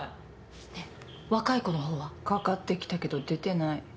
ねえ若い子のほうは？かかってきたけど出てない。